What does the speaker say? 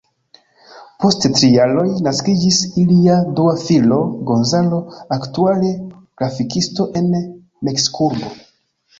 Post tri jaroj, naskiĝis ilia dua filo, Gonzalo, aktuale grafikisto en Meksikurbo.